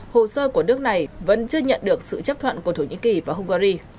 hồ sơ của nước này vẫn chưa nhận được sự chấp thuận của thổ nhĩ kỳ và hungary